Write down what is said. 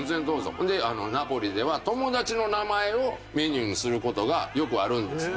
ほんでナポリでは友達の名前をメニューにする事がよくあるんですって。